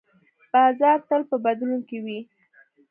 بازار تل په بدلون کې وي.